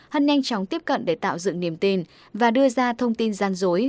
hân nhanh chóng tiếp cận để tạo dựng niềm tin và đưa ra thông tin gian dối